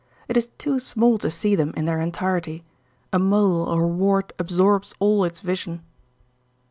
It is too small to see them in their entirety: a mole or a wart absorbs all its vision.